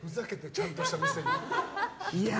ちゃんとした店で。